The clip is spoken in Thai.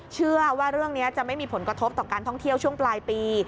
เชื่อว่าเรื่องนี้จะไม่มีผลกระทบต่อการท่องเที่ยวช่วงปลายปี